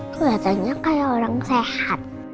keliatannya kayak orang sehat